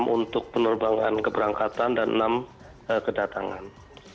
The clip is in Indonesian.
enam untuk penerbangan keberangkatan dan enam kedatangan